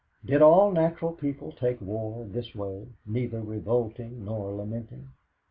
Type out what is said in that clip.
Did all natural people take war this way, neither revolting nor lamenting?